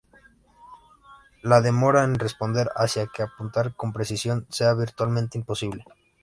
La demora en responder hacía que apuntar con precisión sea virtualmente imposible.